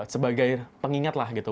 sebagai pengingat lah gitu